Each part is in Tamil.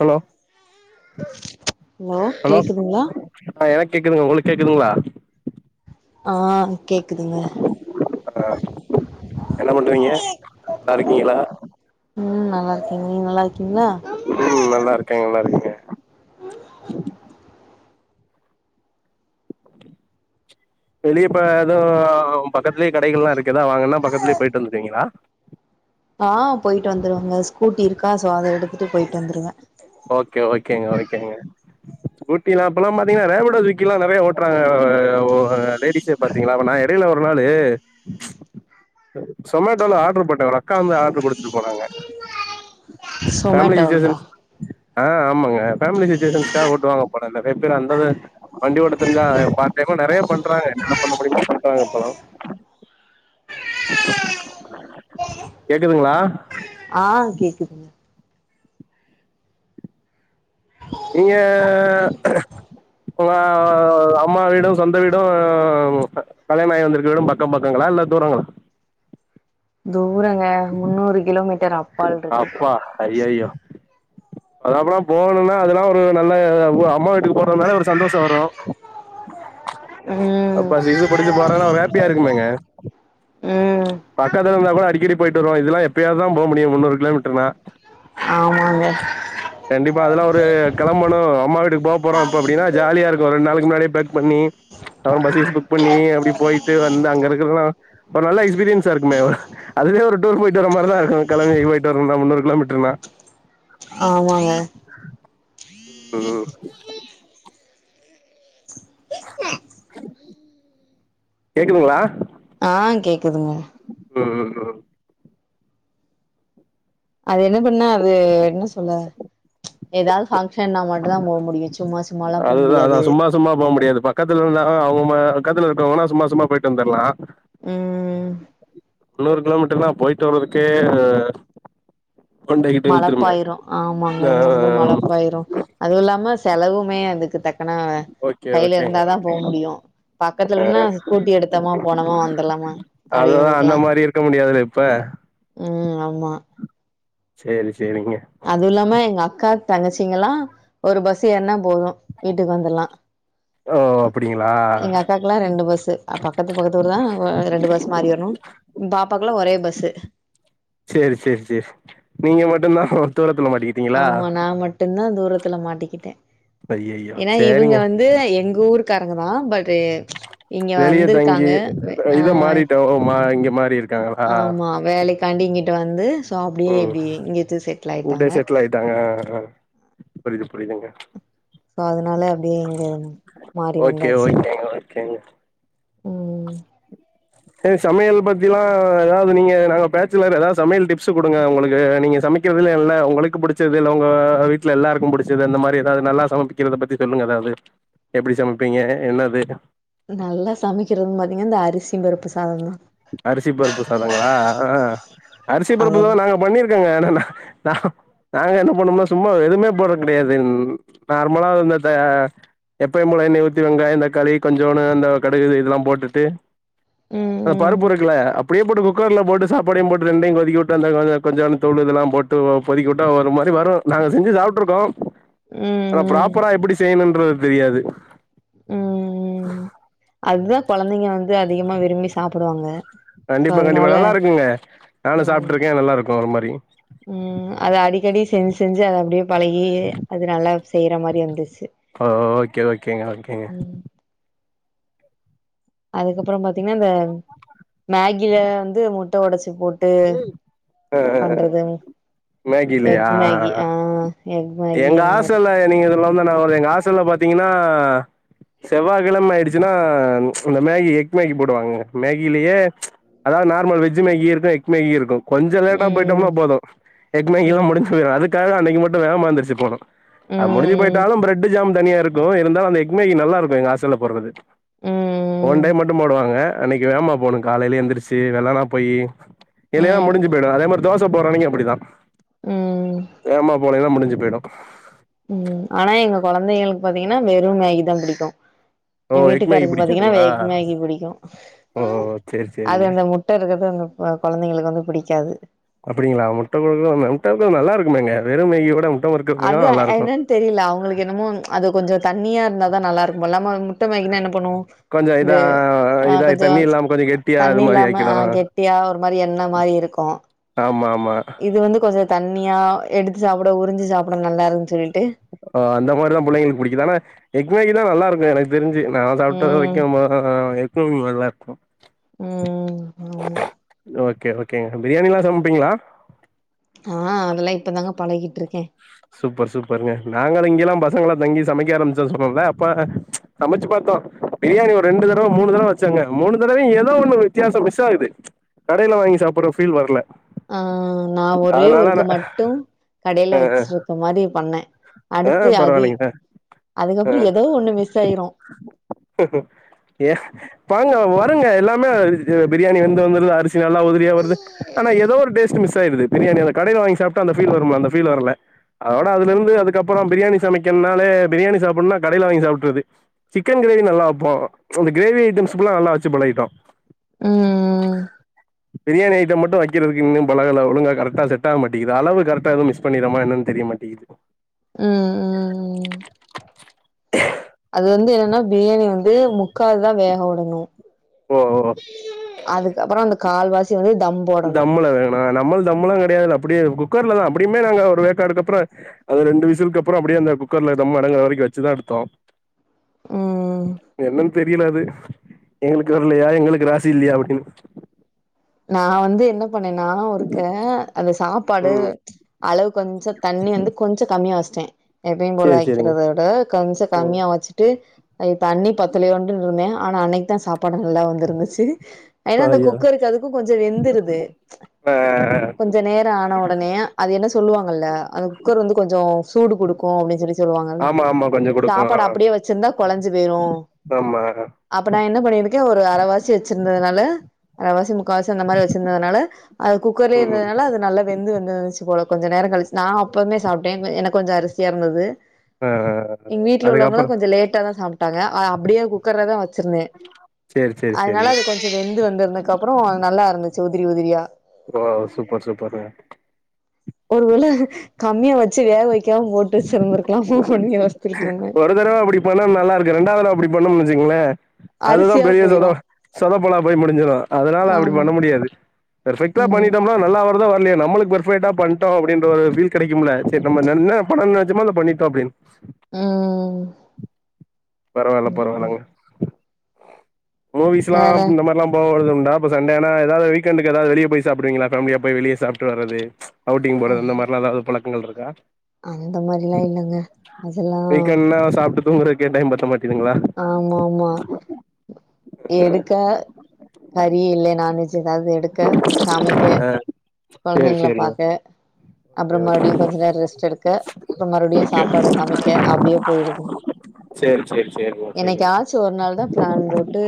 ஹலோ ஹலோ கேக்குதுங்ளா ஆ எனக் கேக்குதுங்க உங்களுக் கேக்குதுங்ளா ஆ கேக்குதுங்க என்ன பண்றிங்க நல்லா இருக்கீங்களா ம் நல்லா இருக்கேங் நீங் நல்லா இருக்கீங்ளா ம் நல்லா இருக்கே நல்லா இருக்கே வெளிய இப்ப எது ம் பக்கத்துலியே கடைகல்லா இருக்குனா வாங்கன பக்கத்துலே பேய்ட்டு வந்த்ருவீங்களா ஆ போய்ட்டு வந்துருவங்க ஸ்கூட்டி இருக்கா சோ அத எடுத்துட்டு போய்ட்டு வந்துருவே ஓகே ஓகேங்க ஓகேங்க ஸ்கூட்டிலா அப்பல்லாம் பாத்தீங்கன்னா ரேபிட்டே சுகில்லா நெறைய ஓட்றாங்க ஆ ஒ லேடிசே பாத்தீங்களா நா எடையில ஒரு நாளு சொமேட்டோல ஆட்ரு பேட்டே ஒரு அக்கா வந்து ஆட்ரு குடுத்துட்டு போனாங்க ஃபேமிலி சோமேட்டாவோடதா சுச்சுவேஷன்ஸ் ஆ ஆமாங்க ஃபேமிலி சுச்சிவேஷன்ஸ்க்காக ஒட்டுவாங்க போல நெறய பேரு அந்தது வண்டி ஓட்ட தெரிஞ்சா பாட் டைமா நெறைய பண்றாங்க என்ன என்ன பண்ண முடியுமோ பண்றாங்க இப்பலா கேக்குதுங்ளா ஆ கேக்குது நீங்க இப்போ அப் அம்மா வீடு சொந்த வீடு கல்யாணா ஆயி வந்திருக்க வீடு பக்கோ பக்கங்களா இல்ல தூரங்களா தூரங்க முன்னூறு கிலோமீட்டரா அப்பா ஐய்யய்யோ அது அப்றோ போணும்னா அதெல்லாம் ஒரு நல்ல அம்மா வீட்டுக்கு போறதுனாலே ஒரு சந்தோஷோ வரு ம் அப்ப சிசு படிச்சு போறனா அவ ஹாப்பியா இருக்குமேங்க ம் பக்கத்துல இருந்தா கூட அடிக்கடி போயிட்டு வருவோ இதெல்லா எப்பயாவது தா போ முடியு முன்னூறு கிலோமீட்டர்னா ஆமாங்க கண்டிப்பா அதெல்லா ஒரு கெளம்பணு அம்மா வீட்டுக்கு போ போறோம் இப்ப அப்டின்னா ஜாலியா இருக்கு ரெண்டு நாளைக்கு முன்னாடியே பேக் பண்ணிப் அப்புற பஸ் கிஸு புக் பண்ணி அப்டி போயிட்டு வந்து அங்க இருக்றதுலா ஒரு நல்ல எஸ்பீரியன்ஸா இருக்குமே அதுவே ஒரு டூர் போயிட்டு வர மாரிதா இருக்கு கெளம்பி போயிட்டு வருனும்னா முன்னூறு கிலோமீட்டர்னா ஆமாங்க ம் கேக்குதுங்களா ஆ கேக்குதுங்க ம் ம் ம் அது என்ன பண்ண அது என்ன சொல்ல ஏதாவது பங்க்ஷன்னா மட்டுந்தா போ முடியு சும்மா சும்மாலா போ முடியாது சுத்தமா போ முடியாது பக்கத்துல இருந்தா அவுங்க பக்கத்துல இருக்கவங்கன்னா சும்மா சும்மா போயிட்டு வந்துரலா ம் முண்ணூறு கிலோமீட்டர்னா போயிட்டு வர்றதுக்கே கொண்டைக்கிட்டு இழுத்துருமே மழப்பாயிரு ஆமாங்க ஆ ரொம்ப மழப்பாயிரு அதுவு இல்லாம செலவுமே அதுக்கு தக்கன ஓகே கையில ஓகேங்க இருந்தாதா போ ஓகேங்க முடியு பக்கத்துலனா ஸ்கூட்டி எடுத்தோம்மா போனோமா வந்துர்லாமா அப்டியே ஆ அந்த மாரி இருக்க முடியாது இப்ப ம் ஆமா சேரி சேரிங்க அதுவுல்லாம எங்க அக்கா தங்கச்சிங்கல்லா ஒரு பஸ் ஏறுனா போதும் வீட்டுக்கு வந்துர்லா ஓ அப்டிங்களா எங்க அக்கா க்லா ரெண்டு பஸ் பக்கத்து பக்கத்து ஊர் தா ரெண்டு பஸ் மாறி வருனு ம் பாப்பாக்குலா ஒரே பஸ்ஸு சேரி சேரி சேர் நீங்க மட்டுந்தா ஒரு தூரத்துல மாட்டிகி ஆமா நா மட்டுந் தா தூரத்துல மாட்டிக்கிட்டே ஐய்யய்யோ ஏன்னா இவுங்க சேரிங்க வந்து எங்க ஊருக்காரங்கதா பட்டு இங்க வெளிய தங்கி வந்துருக்காங்க ஒய் இத ஆய் மாறிட்டோ மா இங்க மாறி இருக்காங்களா ஆமா வேலைக்காண்டி இங்கிட்டு வந்து சோ அப்டியே இப்டியே இங்கத்து செட்டில் ஆயிட்டாங்க இதாங்க புரிது புரிதுங்க சோ அதனால அப்டியே இங்க மாறி வந்தாச்சு சேரிங்க ம் சேரி சமையல் பத்திலா ஏதாவது நீங்க நாங்க பேச்சுலர் ஏதாவது சமையல் டிப்ஸ் குடுங்க உங்களுக்கு நீங்க சமைக் சமக்கிறதுலயே நல்லா ஒனக்கு புடிச்சது இல்ல உங்க வீட்ல எல்லாருக்கு புடிச்சது அந்த மாரி ஏதாவது நல்லா சமக்கிறத பத்தி சொல்லுங்க எதாவது எப்டி சமைப்பீங்க என்னது நல்ல சமைக்கிறதுன்னு பாத்தீங்கன்னா இந்த அரிசி பருப்பு சாதோ தா அரிசி பருப்பு சாதங்களா ஆ அரிசி அத பருப்புதா நாங்க பண்ணிருக் க்கங்க நாங் நா நாங்க என்ன பண்ணோம்னா சும்மா எதுவுமே போட்றது கெடையாது நார்மலா இந்த த எப்பயு போல எண்ணெய ஊத்தி வெங்காயோ தக்காளி கொஞ்சோண்டு இந்த கடுகு இதெல்லா போட்டுட்டு ம் அந்த ம் பருப்புருக்குல அப் புடியே போட்டு குக்கர்ல் போட்டு சாப்பாடையு போட்டு ரெண்டையு கொதிக்கவுட்டு அந்த கொஞ்சோ கொஞ்சோண்ட்டு தூளு இதல்லா போட்டு கொதிக்கவுட்டா ஒரு மாரி வரு நாங்க செஞ்சு சாப்ட்ருக்கோ ம் ஆனா ம் ப்ராப்பரா எப்பிடி செய்யணுன்றது தெரியாது அதுதா கொழந்தைங்க வந்து அதிகமா விரும்பி சாப்புடுவாங்க கண்டிப்பா கண்டிப்பா நல்லாருக்குங்க நானு ம் சாப்ட்ருக்கே நல்லாருக்கு ஒரு மாரி ம் அத அடிக்கடி செஞ்சு செஞ்சு அத அப்டியே பழகி அது நல்லா செய்யற மாரி வந்துர்ச்சு ஒ ஓகே ஓகேங்க ஓகேங்க அதுக்கப்புறோ பாத்தீங்கன்னா வே மேகில வந்து முட்ட ஒடச்சி போட் ட்டு பண்றதுங் மேகிலயா எக் ஆ மேகி ஆ அ எக் மேகி அந்த மாரி அ நீங்க இதுல வந்து நா ஒரு எங்க ஹாஸ்ட்டல்ல பாத்தீங்கன்னா செவ்வாக்கெழம ஆயிடுச்சுன்னா இந்த மேகி எக் மேகி போடுவாங்க மேகிலயே அதாது நார்மல் வெஜ் மேகி இருக்கு எக் மேகி இருக்கு கொஞ்சோ லேட்டா ம் போயிட்டம்னா போது எக் மேகில்லா ம் முடிஞ்சு போய்ரு அதுக்காக அன்னைக்கி மட்டு வேகமா எந்திருச்சி போனு அ முடிஞ்சி ம் போய்ட்டாலு ப்ரெட்டு ஜாம் தனியாருக் க்கு இருந்தாலு அந்த எக்மேகி நல்லாருக்கு எங்க ஹாஸ்ட்டல்ல போட்றது ஒன் ம் டைம் மட்டு போடுவாங்க அன்னைக்கி வேகமா போணு காலையில எந்திரிச்சி வெள்ளனா போயி இல்லேனா ம் முடிஞ்சி போய்டு அதே மாரி தோச போட்றன்னக்கி அப்புடிதா ம் வேம்மா போலேன்னா முடிஞ்சி போய்டு ம் ஆனா எங்க கொழந்தைங்களுக்கு பாத்தீங்கன்னா வெறு மேகிதா புடிக்கு எ ஓ எக் மேகி வீட்டுக்காருக்கு பாத்தீங்கன்னா பிடிக்காதுங்களா எக்மேகி புடிக்கு ஓ சேரி அது சேரிங்க அந்த முட்ட இருக்கது அந்த கொழந்தைங்களுக்கு வந்து புடிக்காது அப்படிங்களா முட்ட குடுக்கற முட்டைக்கு நல்லா இருக்குமேங்க வெறு மேகியோட முட்ட ஒரு அதுதா என்னன் தெரியல அவுங்குளுக்கு என்னமோ அது கொஞ்சோ தண்ணியாருந்தாதா நல்லாருக்கும் போல நம்மோ முட்ட மேகின்னா என்ன பண்ணுவோ கொஞ்சோ இதா இது அ இதா கொஞ்சோ தண்ணி இல்லாம கொஞ்சோ கெட்டியா அது மாரி தண்ணியில்லாம ஆக்கிடு அ கெட்டியா ஒரு மாரி எண்ணெ மாரி இருக்கு ஆமாமா இது வந்து கொஞ்சோ தண்ணியா எடுத்து சாப்புட உறிஞ்சு சாப்புட நல்லாருக்கு சொல்லிட்டு ஒ அந்த மாதிரிதா புள்ளைங்களுக்கு புடிக்கிது ஆனா எக்மேகிதா நல்லாருக்கு எனக்கு தெரிஞ்சி நா அத சாப்ட்ட ம் வரைக்கு ம [unintelligible] எக்நூடுல் நல்லாருக்கும் ம் ஆமா ஓகே ஓகேங்க பிரியாணிலா சமைப்பீங்ளா அ அதல்லா இப்பதாங்க பழகிட்ருக்கே சூப்பர் சூப்பர்ங்க நாங்கள இங்கலா பசங்களா தங்கி சமைக்க ஆரம்பிச்சோ சொன்னல்ல அப்பற சமைச்சு பாத்தோ பிரியாணி ஒரு ரெண்டு தடவ மூணு தடவ வச்சங்க மூணு தடவையு ஏதோ ஒண்ணு வித்தியாசோ மிஸ்ஸாகுது கடையில வாங்கி சாப்புட்ற ஃபீல் வர்ல அ நா ஒரே ஒருக்கு மட்டு கடையில ஆ ஆ வச்சிருக்க மாரி பண்ணே ஆ அடுத்து அதி பரவாயில்லைங்க சார் ஆ அதுக்கப்பறோ எதோ ஒண்ணு மிஸ்ஸாயிரு ஏ பாங்க வறுங்க எல்லாமே பிரியாணி வெந்து வந்துருது அரிசி சி நல்லா உதிரியா வருது ஆனா ஏதோ ஒரு டேஸ்ட் மிஸ்ஸாயிருது பிரியாணி அந்த கடையில வாங்கி சாப்ட்டா அந்த ஃபீல் வரும்ல அந்த ஃபீல் வரல அதோட அதுலருந்து அதுக்கப்பற பிரியாணி சமைக்கன்னாலே பிரியாணி சாப்புன்னா கடையில வாங்கி சாப்புட்றது சிக்கன் கிரேவி நல்லா வப்போ அந்த கிரேவி ஐட்டம்ஸ் புல்லா நல்லா வச்சி பழகிட்டோ ம் பிரியாணி ஐட்டம் மட்டு வக்கிறதுக்கு இன்னு பழகல ஒழுங்கா கரட்டா செட்டாவ மாட்டேங்குது அளவு கரட்டா எதுவு மிஸ் பண்ணிறமா என்னன் தெரிய மாட் டிகுது ம் ம் ம் அது வந்து என்னன்னா வந்து பிரியாணி வந்து முக்காதுதா வேகவுடணு ஓ ஓ அதுக்கப்பற அந்த கால்வாசி வந்து தம் போடணு தம்ள வேணா நம்மளா தம்லா கிடையாதுல அப்டியே குக்கர்லதா அப்டியுமே நாங்க ஒரு வேக்காடுக்கப்பற அது ரெண்டு விசில்க்கப்பற அப்டியே அந்த குக்கர்ல தம்மடங்குற வரைக்கு வச்சுதா எடுத்தோ ம் என்னன் தெரியில அது எங்களுக்கு வரலையா எங்களுக்கு ராசில்லையா அப்டின்னு நா வந்து என்ன பண்ணேன்னா ஒருக்க அந்த சாப்பாடு ம் அளவு கொஞ்ச தண்ணி வந்து கொஞ்ச கம்மியா வச்சுட்டே எப்பயு போல சேரி சேரிங்க வக்கிறத விட கொஞ்ச ம் கம்மியா வச்சுட்டு அ தண்ணி பத்துலோண்டு இருந்தே ஆனா அன்னைக்கி தா சாப்பாடு நல்லா வந்திருந்துச்சு ஏன்னா அந்த ஐயோ குக்கருக்கு அதுக்கும் கொஞ்ச வெந்துருது ஆ கொ ஞ்ச நேர ஆன ஒடனே அது என்ன சொல்லுவாங்கல்ல அந்த குக்கர் வந்து கொஞ்ச சூடு குடுக்கு அப்டின் சொலி சொல்லுவாங்கல்ல ஆமா ஆமா கொஞ்சோ குடுக்கு சாப்பாடு அப்டியே வச்சிருந்தா குழஞ்சி பேயிடு ஆமா அப்ப நா என்ன பண்ணிருக்கே ஒரு அரைவாசி வச்சிருந்ததுனால அரைவாசி முக்கால்வாசி அந்த மாரி வச்சிருந்ததுனால அது குக்கர்லே ம் இருந்ததுனால அது நல்ல வெந்து வந்துந்துச்சு போல கொஞ்ச நேர கழிச்சு நா அப்பமே சாப்பிட்டே எனக்கு கொஞ்சம் அரிசா இருந்தது ஆ எங்க வீட்ல உள்ளவங்களா அதுக்கப்புறோ கொஞ்ச லேட்டா தா சாப்பிட்டாங்க அப்டியே குக்கர்லதா வச்சிருந்தே சேரி சேரி சேரி வெந்து வந்திருதுக்கு அப்பற நல்லா இருந்துச்சு உதிரி உதிரியா ஓ சூப்பர் சூப்பரு ஒருவேள கம்மியா வச்சு வேக வைக்காம போட்டு செய்ந்திருக்கலாமா அட வத்துட்டு யோசிச்சுட்டு இருந்தே ஒரு தடவ அப்டி பண்ண நல்லா இருக்கு ரெண்டாவது தடவ அப்டி பண்ணனும்னு வச்சுக்கோங்களே அதுதா அரிசியா பெரிய சத போயிரும் சதப்பலா போய் முடிஞ்சிடு அதனால அப்டி ஆமா பண்ண முடியாது பர்ஃபெக்டா ம் பண்ணிட்டோம்னா நல்லா வருதா வரலையே நம்மளுக்கு பர்ஃபெக்ட்டா பண்ணிட்டோ அப்டின்ற ஒரு பீல் கிடைக்கும்ல செரி நன்ன படம் [unintelligible] நிஜமாவே பண்ணிடோ அப்பின்னு ம் பரவாயில்ல ம் பரவாயில்லங்க ஓ வீசலா வேற இந்த மாதிரல்லாம் போவதுண்டா அப்ப சண்டேனா எதாவது வீக்கண்டுக்கு ஏதாவ வெளிய போய் சாப்பிடீரீங்களா ஃபமிலியா போய் வெளிய சாப்பிட்டுவறது அவுட்டிங் ஆ போறது அந்தமாரிலா ஏதாவது பழக்கங்கள் இருக்கா அந்த மாரிலா இல்லங்க அதெல்லா [unintelligible] சாப்பிட்டு தூங்கறக்கே டைம் பத்த மாட்டிதுங்களா ஆமா மா எடுக்க கறி இல்ல நான்வெஜ் ஏதாவது எடு க்க சமைக்க சேரி குழந்தைங்கள சேரிங்க பாக்க அப்பற ஓகே மறுபடியு ஓகே கொஞ்ச நேரம் ரெஸ்ட் எடுக்க அப்பறம் மறுபடியும் ஓகே சாப்பாடு சமைக்க அப்டியே போயிடுதுங் சேரி சேரி சேரிங்க சேரிங்க என்னைக்காச்சு ஒரு நாள் தான் பிளான் போட்டு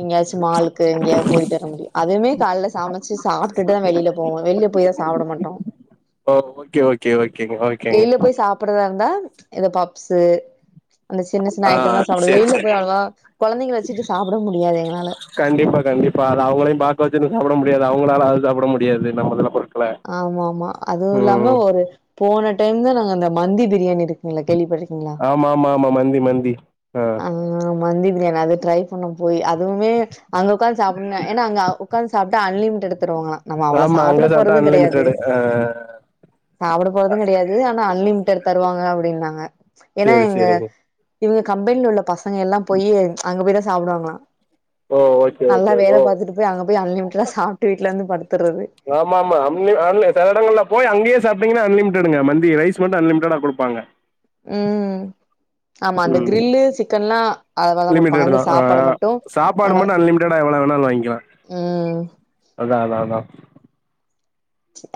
எங்கேயாச்சு மாலுக்கு இங்கய போயிட்டு வர முடியு அதுவுமே காலையில சமைச்சு சாப்பிட்டுதா வெளியில போவோ வெளியில போய் தா சாப்பிட மாட்டோ ஓ ஓகே ஓகே ஓகேங்க ஓகேங்க படதா இருந்தா இந்த பாப்ஸு அந்த சின்ன சின்ன ஆ ஐட்டம் தா அப்டி சேரி வெயில சேரி போய் அலவா கொழந்தைங்கள வச்சிட்டு சாப்ட முடியாது எங்களால கண்டிப்பா கண்டிப்பா அது அவுங்களையு பாக்க வச்சினு சாப்ட முடியாது அவுங்களால அது சாப்ட முடியாது நம்மதுல ஆமா ஆமா அதுவு இல்லாம ஒரு போன டைம் தா நாங்க அந்த மந்தி பிரியாணி இருக் கில்ல கேள்விப் பட்டிருக்கீங்ளா ஆமா ஆமா ஆமா மந்தி மந்தி ஆ ஆ மந்தி பிரியாணி அது ட்ரை பண்ண போய் அதுவுமே அங்க உக்காந்து சாப்புன்னு ஏனா அங்க உக்காந்து சாப்ட்டா அன்லிமிடட் தருவாங்களா நம்ம அவ்ளோ ஆமா அங்க சாப்ட சாப்ட்டா போறது கெடையாது அன்லிமிட்டெடு ஆ சாப்ட போறது கெடையாது ஆனா அன்லிமிட்டட் தருவாங்க அப்டின்னாங்க ஏனா சேரி எங்க சேரிங்க இவுங்க கம்பெனில உள்ள பசங்க எல்லா போய் அங்க போய்தா சாப்டுவாங்களா ஓ ஓகே நல்லா ஓகே வேல ஓ பாத்துட்டு போய் அங்க போய் அன்லிமிட்டடா சாப்ட்டு வீட்ல வந்து படுத்துறது ஆமா ஆமா [unintelligible] செல எடங்கள்ல போய் அங்கேயே சாப்டிங்கனா அன்லிமிட்டடுங்க மந்தி ரைஸ் மட்டு அன்லிமிட்டடா குடுப்பாங்க ம் ஆமா அந்த ம் கிரில்லு சிக்கன்லா அதலதா குடுப்பாங்க லிமிட்டெடு தா வந்து ஆ சாப்பாடு மட்டு சாப்பாடு அங்க மட்டும் அன்லிமிட்டெடா எவ்வளவு வேணாலும் வாங்கிக்கலாம் ம் ம் அதா அதா அதா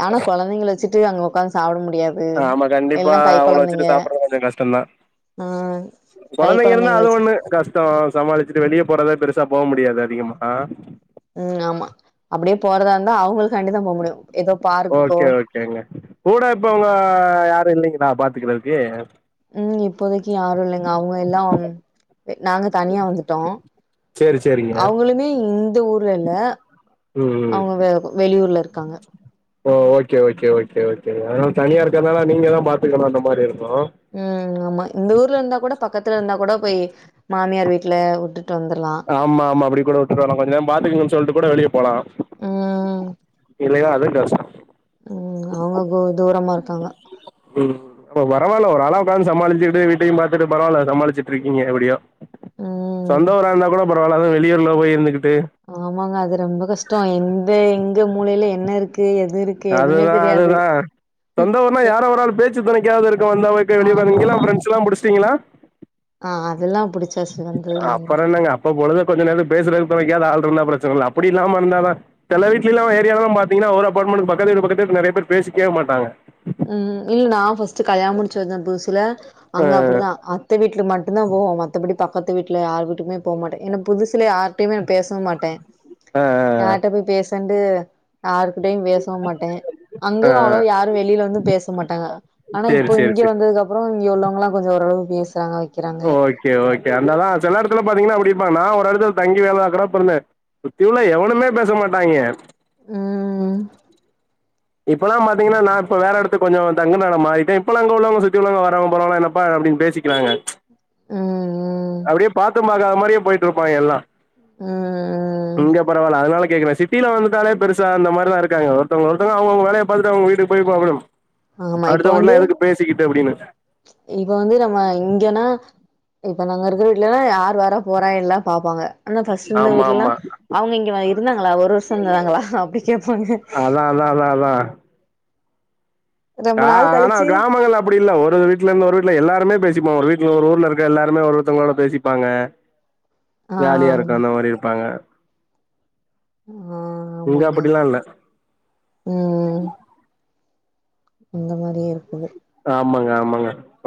ஆனா கொழந்தைங்கள வச்சிட்டு அங்க ஒக்காந்த் சாப்ட முடியாது ஆமா கண்டிப்பா எல்லா கை அவுங்கள கொழந்தைங்க வச்சிட்டு சாப்புறது கொஞ்ச கஷ்ட தா ஆ கை கொழந்தைங்க இருந்தா கொழந்தைங்கள அது வச்சுட்டு ஒண்ணு கஷ் டோ சமாளிச்சிட்டு வெளிய போறதே பெருசா போக முடியாது அதிகமா ம் ஆமா அப்டியே போறதா இருந்தா அவுங்களு காண்டிதா போ முடியு ஏதோ பார்க்குகோ கெடைக்குங்க கூட இப்ப உங்க யாரு இல்லைங்களா பாத்துக்கறதுக்கு ம் இப்போதைக்கு யாரு இல்லங்க அவுங்க எல்லாம் நாங்க தனியா வந்துட்டோ சேரி சேரிங்க அவுங்களுமே இந்த ஊர்ல இல்ல ம் ம் அவுங்க வே ப வெளியூர்ல இருக்காங்க ஓ ஓகே ஓகே ஓகே ஓகே அதனால தனியா இருக்கனால நீங்க தா பாத்துக்கனு அந்த மாரி இருக்கு ம் ஆமா இந்த ஊர்ல இருந்தா கூட பக்கத்துல இருந்தா கூட போய் மாமியார் வீட்ல வுட்டுட்டு வந்துர்லா ஆமா ஆமா அப்டி கூட வுட்டுட் வரலா கொஞ்ச நேர பாத்துக்குங்கன் சொல்ட்டு கூட வெளிய போலா ம் இல்லைன்னா அதுவு கஷ்டோ ம் அவுங்க கொ தூரமா இருக்காங்க ம் அப்போ பரவால ஒர அளவுக்காது சமாளிச்சிட்டு வீட்டையு பாத்துட்டு பரவால்ல சமாளிச்சிட்ருக்கீங்க எப்டியோ ம் சொந்த ஊரா இருந்தா கூட பரவால அது வெளியூர்ல போய் இருந்துகிட்டு ஆமாங்க அது ரெம்ப கஷ்டோ எந்த எங்க மூலையில என்ன இருக்கு எது இருக் அதுதா அதுதா சொந்தவூர்னா அதேதான். எ யாரா ஒரு ஆள் பேச்சு தொனைக்காவது இருக்கு வந்தா ஒகே வெளிய ஒக்காந்துனு ஆமா ம். இங்கலா ஃப்ரெண்ட்ஸ்லா புடிச்சிட்டீங்களா ஆ அதெல்லா புடிச்சாச்சி வந்ததுலந்து இப்ப பொழுத கொஞ்ச நேரோ பேசற தொனைக்காவது ஆள் இருந்தா பிரச்சன இல்ல அப்டி இல்லாம இருந்தாதா செல வீட்டிலில்லா ஏரியால்லாலா பாத்தீங்கனா ஒரு அப்பாட்மெண்ட் பக்கத்து வீடு பக்கத்து வீடு நெறைய பேர் பேசிக்கவே மாட்டாங்க ம் இல்ல நா ஃபஸ்ட் கல்யாண முடிச்சு வந்தே புது சில அங்க அப்படிதா அத் த வீட்ல மட்டு தா போவோ மத்த படி பக்கத்து வீட்ல யார் வீட்டுக்குமே போமாட்டே எனக் புதுசில யார்ட்டையுமே நா பேசவு மாட்டே ஆ யார்ட்ட போய் பேசண்டு யாருகிட்டயு பேசவு மாட்டே அங்கு அவ்ளோவா யாரு வெளியில பேச மாட்டாங்க ஆனா இப்ப சேரி சேரி இங்க சேரி வந்ததுக்கு அப்புறோ இங்க உள்ளவங்கல்லா கொஞ்ச ஓரளவு பேசறாங்க ஓகே ஓகே அந்தா தா செல எடத்துல பாத்தீங்கனா அப்டி இருப்பாங்க நா ஒரு எடத்துல தங்கி வேல பாக்குற அப்பருந்தே சுத்தியுல்ல எவனுமே பேச மாட்டாய்ங்க ம் ம் இப்பல்லா பாத்தீங்கன்னா நா இப்ப வேற இடத்து கொஞ்சோ தங்கு நா மாறிட்டே இப்பல்ல அங்க உள்ளவங்க சுத்தி உள்ளவங்க வரவங்க போரவங்கலா என்னப்பா அப்டின் பேசிக் றாங்க ம் ம் அப்டியே பாத்து பாக்காத மாரியே போயிட்டு இருப்பாங்க எல்லா ம் இங்க பரவால்ல அதனால கேக்குறே சிட் டியில வந்துட்டாலே பெருசா அந்த மாரிதா இருங்காக ஒருத்தங்க ஒருத்தங்க அவங்க அவங்க வேலைய பாத்துட்டு அவங்க வீட்டுக்கு போய் பாக்கணு ஆமா இப்ப அடுத்தவங்க வந்து கூட்லா எதுக்கு பேசிக்கிட்டு அப்டின்னு இப்ப வந்து நம்ம இங்கன்னா இப்ப நாங்க இருக்கிற வீட்டுலலா யார் வரா போறா எல்லா பாப்பாங்க ஆனா ஃபர்ஸ்ட்ருந்து ஆமா வீட்லல்லா ஆமா அவுங்க இங்க இருந்தாங்களா ஒரு வருஷோ இருந்ததாங்களா அப்படி கேட்பாங்க அதா அதா அதா ரொம்ப கா நாள் ஆனா கழிச்சு கிராமங்கள்ல அப்டி இல்ல ஒரு வீட்டுல இருந்து ஒரு வீட்ல எல்லாருமே பேசிப்போ ஒரு வீட்ல ஒரு ஊர்ல இருக்க எல்லாருமே ஒரு ஒருத்தங்களோட பேசிப்பாங்க ஆ ஜாலியா இருக்கு ஆமா அந்த மாரி இருப்பாங்க ஆ இங்க ஆமாங்க அப்படிலா இல்ல அந்த மாரியே இருக்குது ஆமாங்க ஆமாங்க